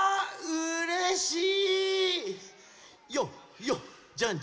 うれしい。